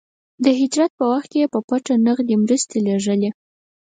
د هجرت په وخت کې يې په پټه نغدې مرستې لېږلې.